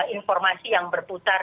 informasi yang berputar